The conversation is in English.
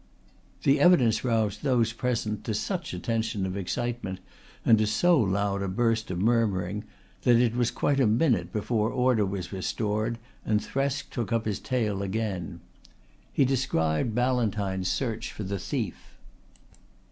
The evidence roused those present to such a tension of excitement and to so loud a burst of murmuring that it was quite a minute before order was restored and Thresk took up his tale again. He described Ballantyne's search for the thief.